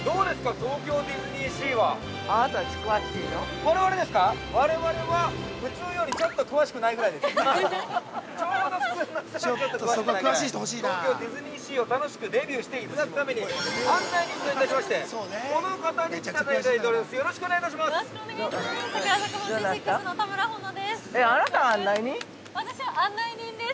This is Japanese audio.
東京ディズニーシーを楽しくデビューしていただくために、案内人といたしまして、この方に来ていただいております。